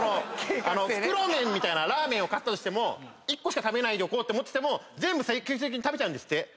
袋麺みたいなラーメンを買ったとしても１個しか食べないでおこうって思ってても全部食べちゃうんですって。